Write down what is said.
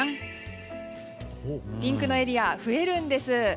ピンクのエリアが増えるんです。